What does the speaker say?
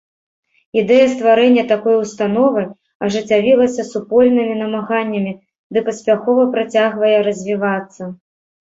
Ідэя стварэння такой установы ажыццявілася супольнымі намаганнямі ды паспяхова працягвае развівацца.